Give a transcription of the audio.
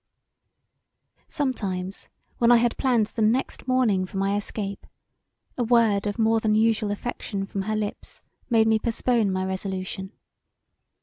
Sometimes when I had planned the next morning for my escape a word of more than usual affection from her lips made me postpone my resolution.